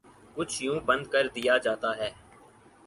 کچھ یوں بند کردیا جاتا ہے